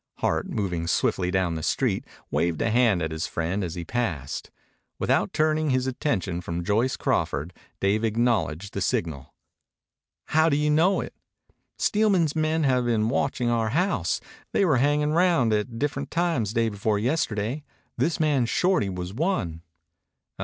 Hart, moving swiftly down the street, waved a hand at his friend as he passed. Without turning his attention from Joyce Crawford, Dave acknowledged the signal. "How do you know it?" "Steelman's men have been watching our house. They were hanging around at different times day before yesterday. This man Shorty was one."